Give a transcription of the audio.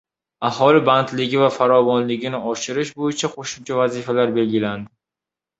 Aholi bandligi va farovonligini oshirish bo‘yicha qo‘shimcha vazifalar belgilandi